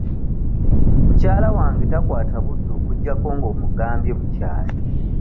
Mukyala wange takwata budde okuggyako nga omugambye bukyali.